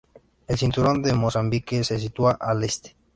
El cinturón de Mozambique se sitúa al este.